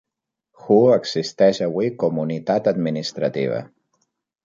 Ho existeix avui com unitat administrativa.